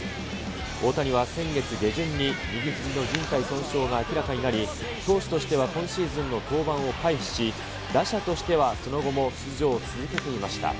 大谷は先月下旬に右ひじのじん帯損傷が明らかになり、投手としては今シーズンの登板を回避し、打者としてはその後も出場を続けていました。